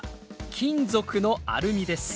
金属のアルミです。